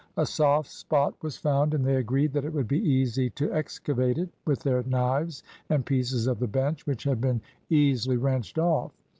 A soft spot was found, and they agreed that it would be easy to excavate it with their knives and pieces of the bench which had been easily wrenched off.